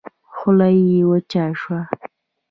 خوله يې وچه شوه.